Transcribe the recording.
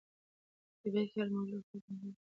په طبیعت کې هر موجود خپله ځانګړې دنده او ارزښت لري.